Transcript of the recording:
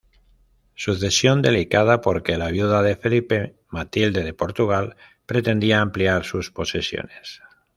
Sucesión delicada porque la viuda de Felipe, Matilde de Portugal pretendía ampliar sus posesiones.